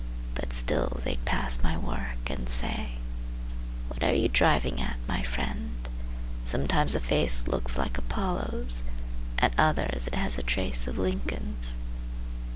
But still they'd pass my work and say: "What are you driving at, my friend? Sometimes the face looks like Apollo's At others it has a trace of Lincoln's."